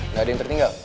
nggak ada yang tertinggal